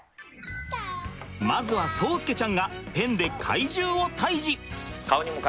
まずは蒼介ちゃんがペンで怪獣を退治。